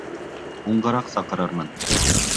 Һуңғараҡ саҡырырмын.